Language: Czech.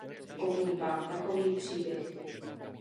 Povím vám takový příběh.